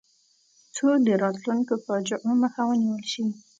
څو د راتلونکو فاجعو مخه ونیول شي.